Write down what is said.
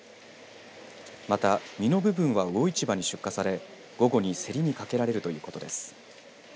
また、身の部分は魚市場に出荷され午後に競りにかけられるということです。